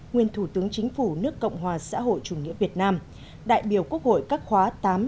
nguyên thủ tướng chính phủ nước cộng hòa xã hội chủ nghĩa việt nam đại biểu quốc hội các khóa tám chín một mươi một mươi một